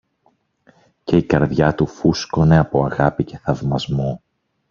και η καρδιά του φούσκωνε από αγάπη και θαυμασμό